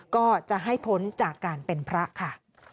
ก็จะให้พ้นจากการเป็นพระค่ะ